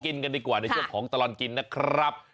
กันดีกว่าในช่วงของตลอดกินนะครับ